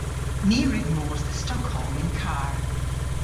My a wrug mos dhe Stockholm yn karr.